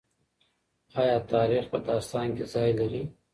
آیا تاریخ په داستان کي ځای لري؟